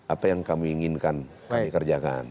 apa yang kami inginkan kami kerjakan